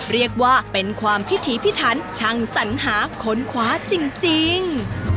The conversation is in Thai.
เรียกว่าเป็นความพิถีพิถันช่างสัญหาคนขวาจริง